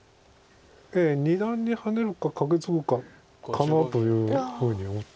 二段にハネるかカケツグかかなというふうに思ったんですが。